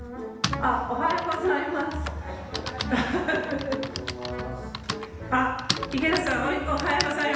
あっ池田さんおはようございます。